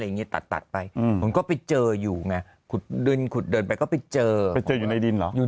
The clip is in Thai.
ตัดตัดไปมันก็ไปเจออยู่ไงขุดเดินขุดเดินไปก็ไปเจอไปเจออยู่ในดินเหรออยู่